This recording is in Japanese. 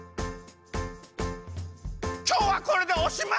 きょうはこれでおしまい！